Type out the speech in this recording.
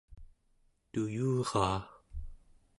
tuyuraa